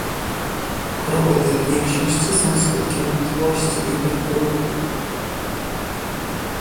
Choroby te w większości są skutkiem otyłości i braku ruchu